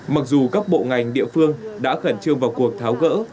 mặc dù các bộ ngành địa phương đã khẩn trương vào cuộc tháo gỡ